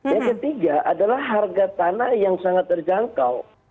yang ketiga adalah harga tanah yang sangat terjangkau